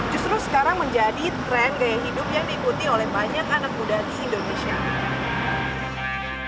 justru sekarang menjadi tren gaya hidup yang diikuti oleh banyak anak muda di indonesia